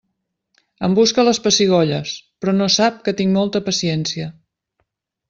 Em busca les pessigolles, però no sap que tinc molta paciència.